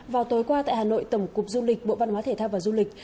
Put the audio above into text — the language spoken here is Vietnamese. vào tối qua tại hà nội tổng cục du lịch bộ văn hóa thể thao và du lịch